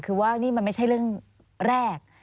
คือว่านี่มันไม่ใช่เรื่องแรก